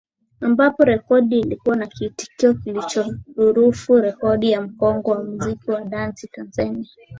Ambapo rekodi ilikuwa na kiitikio kilichodurufu rekodi ya mkongwe wa muziki wa dansi Tanzania